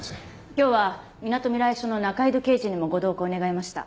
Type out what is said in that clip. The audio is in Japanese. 今日はみなとみらい署の仲井戸刑事にもご同行願いました。